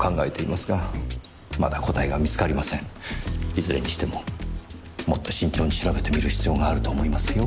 いずれにしてももっと慎重に調べてみる必要があると思いますよ。